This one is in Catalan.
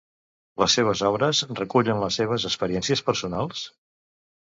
Les seves obres recullen les seves experiències personals?